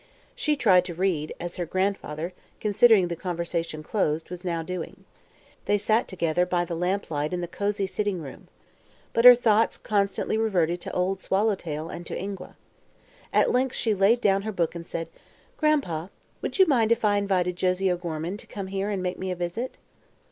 She tried to read, as her grandfather, considering the conversation closed, was now doing. They sat together by the lamplight in the cozy sitting room. But her thoughts constantly reverted to "Old Swallowtail" and to Ingua. At length she laid down her book and said: "Gran'pa, would you mind if I invited Josie O'Gorman to come here and make me a visit?"